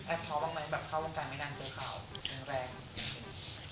ท้อบ้างไหมแบบเข้าวงการไม่นานเจอข่าวแรง